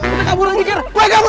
gue kabur lagi kira gue kabur